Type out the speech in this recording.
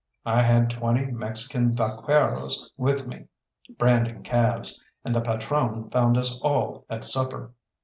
I had twenty Mexican vaqueros with me, branding calves; and the patrone found us all at supper.